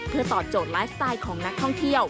เพื่อตอบโจทย์ไลฟ์สไตล์ของนักท่องเที่ยว